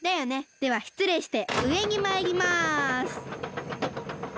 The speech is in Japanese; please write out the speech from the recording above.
ではしつれいしてうえにまいります。